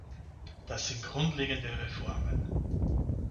Das sind grundlegende Reformen.